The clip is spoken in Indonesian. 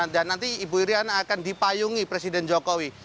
dan nanti ibu iryana akan dipayungi presiden jokowi